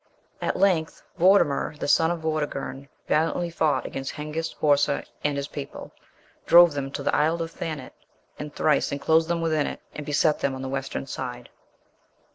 At length Vortimer, the son of Vortigern, valiantly fought against Hengist, Horsa, and his people; drove them to the isle of Thanet, and thrice enclosed them within it, and beset them on the Western side.